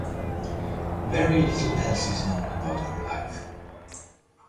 Very little else is known about her life.